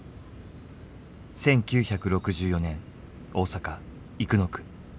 １９６４年大阪・生野区。